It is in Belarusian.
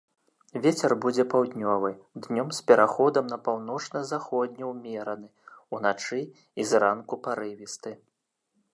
Вецер будзе паўднёвы, днём з пераходам на паўночна-заходні ўмераны, уначы і зранку парывісты.